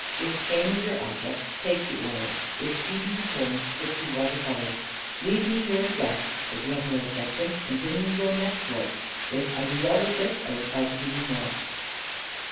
If fame is your object, take to oils. If speedy returns, stick to water colours. Leave me your address, if you have no objection; and bring me your next work. If I do well with this, I will try to give you more."